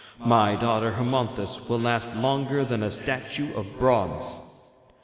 My daughter Hermonthis will last longer than a statue of bronze.